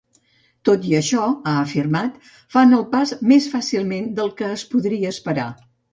Tot i això, ha afirmat, "fan el pas més fàcilment del que es podria esperar.